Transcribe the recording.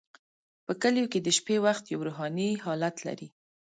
په کلیو کې د شپې وخت یو روحاني حالت لري.